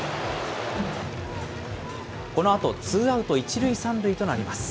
このあとツーアウト１塁３塁となります。